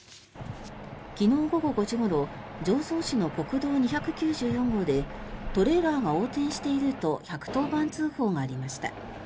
昨日午後５時ごろ常総市の国道２９４号でトレーラーが横転していると１１０番通報がありました。